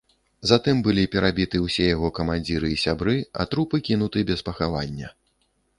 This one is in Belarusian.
Затым былі перабіты ўсе яго камандзіры і сябры, а трупы кінуты без пахавання.